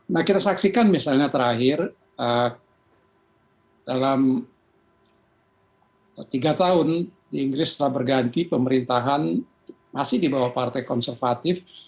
nah kita saksikan misalnya terakhir dalam tiga tahun di inggris setelah berganti pemerintahan masih di bawah partai konservatif